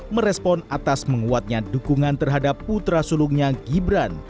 merespon atas menguatnya dukungan terhadap putra sulungnya gibran